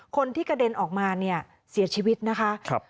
คนที่กระเด็นออกมาเนี่ยเสียชีวิตนะคะ